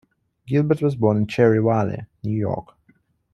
Gilbert was born in Cherry Valley, New York.